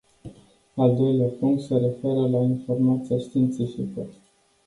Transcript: Al doilea punct se referă la informația științifică.